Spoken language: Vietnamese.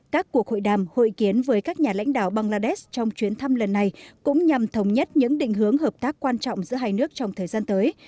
các cuộc hội đàm hội kiến với các nhà lãnh đạo bangladesh trong chuyến thăm lần này cũng nhằm thống nhất những định hướng hợp tác quan trọng giữa hai nước trong thời gian tới